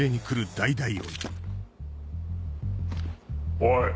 おい！